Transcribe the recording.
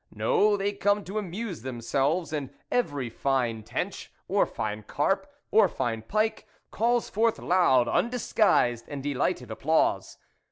No, they come to amuse themselves, and every fine tench, THE WOLF LEADER 53 or fine carp, or fine pike, calls forth loud, undisguised and delighted applause.